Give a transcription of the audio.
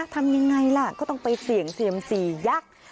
ทำยังไงล่ะก็ต้องไปเสี่ยงเซียมสี่ยักษ์